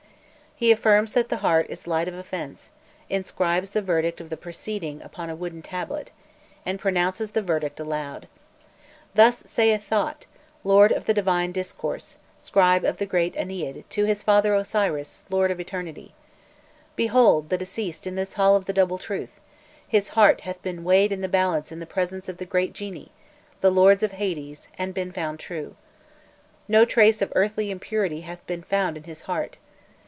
He affirms that the heart is light of offence, inscribes the result of the proceeding upon a wooden tablet, and pronounces the verdict aloud. "Thus saith Thot, lord of divine discourse, scribe of the Great Ennead, to his father Osiris, lord of eternity, 'Behold the deceased in this Hall of the Double Truth, his heart hath been weighed in the balance in the presence of the great genii, the lords of Hades, and been found true. No trace of earthly impurity hath been found in his heart.